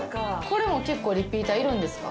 これも結構リピーターいるんですか？